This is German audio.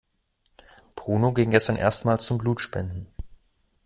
Bruno ging gestern erstmals zum Blutspenden.